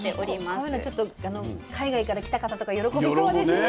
こういうのはちょっと海外から来た方とか喜びそうですね。